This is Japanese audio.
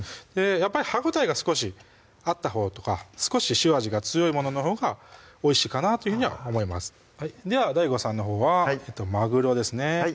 やっぱり歯応えが少しあったほうとか少し塩味が強いもののほうがおいしいかなというふうには思いますではＤＡＩＧＯさんのほうはまぐろですね